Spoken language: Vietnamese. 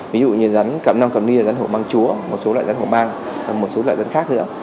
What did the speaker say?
ví dụ như rắn cầm năng cầm ni là rắn hổ mang chúa một số loại rắn hổ mang một số loại rắn khác nữa